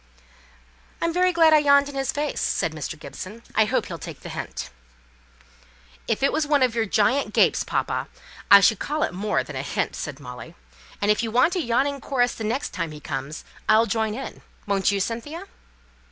"I'm very glad I yawned in his face," said Mr. Gibson. "I hope he'll take the hint." "If it was one of your giant gapes, papa, I should call it more than a hint," said Molly. "And if you want a yawning chorus the next time he comes, I'll join in; won't you, Cynthia?"